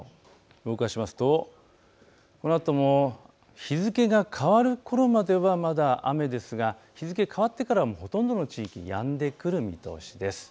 動かしますとこのあとも日付が変わるころまではまだ雨ですが日付変わってからもほとんどの地域、やんでくる見通しです。